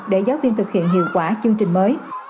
để giáo viên thực hiện hiệu quả chương trình mới